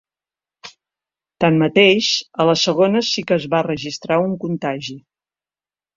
Tanmateix, a la segona sí que es va registrar un contagi.